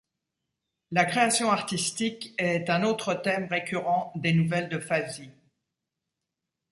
La création artistique est un autre thème récurrent des nouvelles de Fazi.